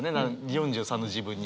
４３の自分に。